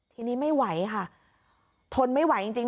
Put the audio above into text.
ทีนี้ไม่ไหวค่ะทนไม่ไหวจริง